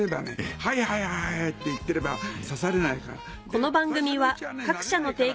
「はいはいはい」って言ってれば指されないから。